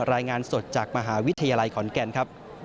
รายงานสดจากมหาวิทยาลัยขอนแก่นครับ